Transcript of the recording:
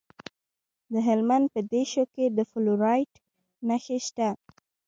د هلمند په دیشو کې د فلورایټ نښې شته.